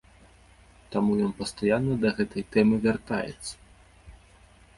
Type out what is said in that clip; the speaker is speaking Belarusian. Таму ён пастаянна да гэтай тэмы вяртаецца.